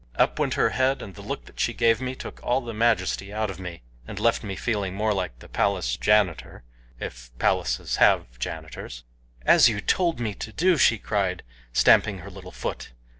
Up went her head, and the look that she gave me took all the majesty out of me, and left me feeling more like the palace janitor if palaces have janitors. "As you told me to do!" she cried, stamping her little foot.